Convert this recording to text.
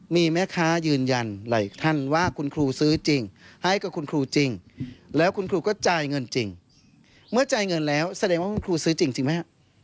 มีแม่ค้ายืนยันหลายท่านว่าคุณครูซื้อจริงให้กับคุณครูจริงแล้วคุณครูก็จ่ายเงินจริงเมื่อจ่ายเงินแล้วแสดงว่าคุณครูซื้อจริงไหมฮะ